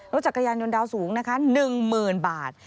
รถจักรยานยนต์ดาวสูงนะคะ๑หมื่นบาท